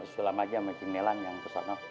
sulam aja sama cik nelang yang kesana